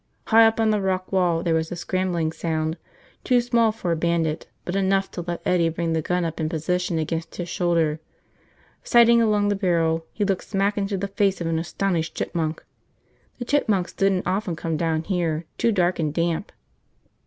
High up on the rock wall there was a scrambling sound, too small for a bandit but enough to let Eddie bring the gun up in position against his shoulder. Sighting along the barrel, he looked smack into the face of an astonished chipmunk. The chipmunks didn't often come down here, too dark and damp.